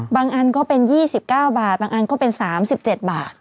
อันก็เป็น๒๙บาทบางอันก็เป็น๓๗บาท